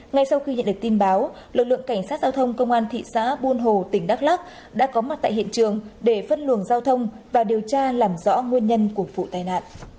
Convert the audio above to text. ngay sau khi nhận được tin báo lực lượng cảnh sát giao thông công an thị xã buôn hồ tỉnh đắk lắc đã có mặt tại hiện trường để phân luồng giao thông và điều tra làm rõ nguyên nhân của vụ tai nạn